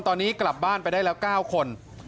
ตอนนี้กลับบ้านไปได้แล้ว๙คน